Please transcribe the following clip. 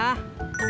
ntar aku nungguin